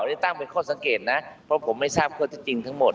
นี่ตั้งเป็นข้อสังเกตนะเพราะผมไม่ทราบข้อเท็จจริงทั้งหมด